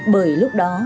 bởi lúc đó